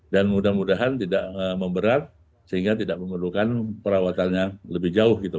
dan mudah mudahan tidak memberat sehingga tidak memerlukan perawatannya lebih jauh gitu pak